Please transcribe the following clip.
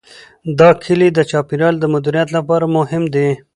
دا کلي د چاپیریال د مدیریت لپاره مهم دي.